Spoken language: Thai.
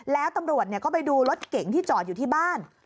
แล้วตำรวจก็ไปดูรถเก๋งที่จอดอยู่ที่บ้าน